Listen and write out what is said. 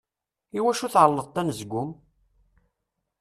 I wacu tεelleḍt anezgum?